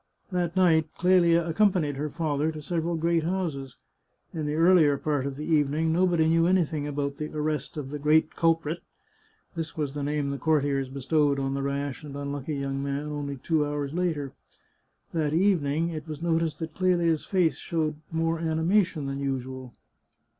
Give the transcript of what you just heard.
That night Clelia accompanied her father to several great houses. In the earlier part of the evening nobody knew anything about the arrest of the great culprit — this was the name the courtiers bestowed on the rash and un lucky young man only two hours later. That evening it was noticed that Clelia's face showed more animation than usual.